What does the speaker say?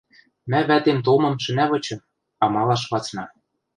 Мӓ вӓтем толмым шӹнӓ вычы, амалаш вацна.